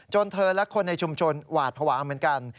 เธอและคนในชุมชนหวาดภาวะเหมือนกัน